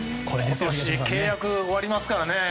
今年で契約が終わりますからね。